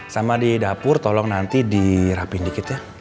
sama di dapur tolong nanti dirapin dikit ya